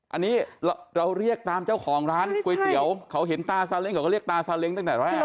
อันนี้เราเรียกตามเจ้าของร้านก๋วยเตี๋ยวเขาเห็นตาซาเล้งเขาก็เรียกตาซาเล้งตั้งแต่แรก